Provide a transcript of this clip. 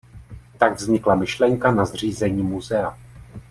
Tak vznikla myšlenka na zřízení muzea.